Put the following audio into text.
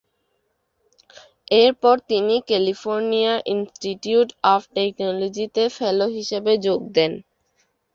এরপর তিনি California institute of টেকনোলজিতে ফেলো হিসেবে যোগ দেন।